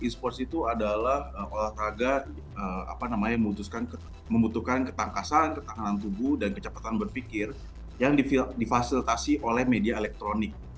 e sports itu adalah olahraga membutuhkan ketangkasan ketahanan tubuh dan kecepatan berpikir yang difasilitasi oleh media elektronik